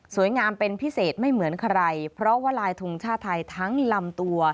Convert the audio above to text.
งามเป็นพิเศษไม่เหมือนใครเพราะว่าลายทงชาติไทยทั้งลำตัว